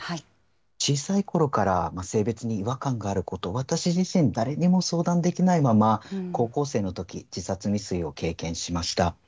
小さいころから性別に違和感があること、私自身、誰にも相談できないまま、高校生のとき、自殺未遂を経験しました。